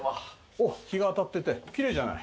おっ日が当たっててキレイじゃない。